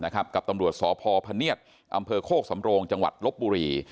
กับตำรวจสพพเนียดอำเภอโคกสำโรงจังหวัดลบบุรี